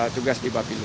tugas di bapilu